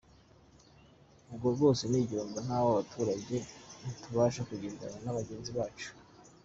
Ubu rwose ni igihombo natwe abaturage ntitubasha kugenderana na bagenzi bacu”.